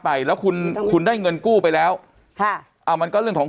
ไปแล้วคุณคุณได้เงินกู้ไปแล้วค่ะอ่ามันก็เรื่องของ